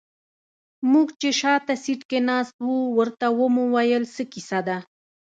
موږ چې شاته سيټ کې ناست وو ورته ومو ويل څه کيسه ده.